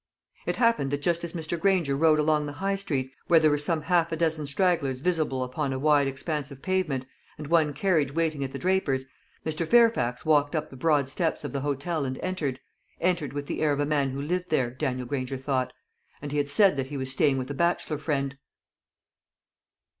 It happened that just as Mr. Granger rode along the High street, where there were some half a dozen stragglers visible upon a wide expanse of pavement, and one carriage waiting at the draper's, Mr. Fairfax walked up the broad steps of the hotel and entered entered with the air of a man who lived there, Daniel Granger thought. And he had said that he was staying with a bachelor friend.